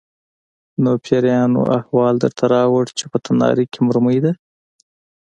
_نو پېريانو احوال درته راووړ چې په تناره کې مرمۍ ده؟